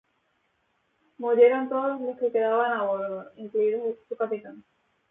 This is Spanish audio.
Murieron todos los que quedaban a bordo, incluido su capitán.